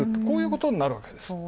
こういうことになるわけです。